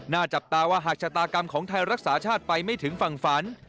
จับตาว่าหากชะตากรรมของไทยรักษาชาติไปไม่ถึงฝั่งฝัน